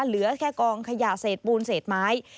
เหลือแค่กองขยะเศษปูนเศษไม้